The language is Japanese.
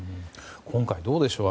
今回、どうでしょう。